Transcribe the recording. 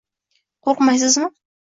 — Qoʻrqmaysizmi?